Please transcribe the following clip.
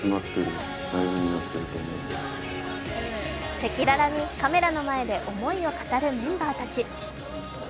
赤裸々にカメラの前で思いを語るメンバーたち。